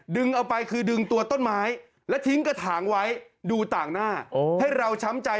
เอาไปคือดึงตัวต้นไม้และทิ้งกระถางไว้ดูต่างหน้าให้เราช้ำใจ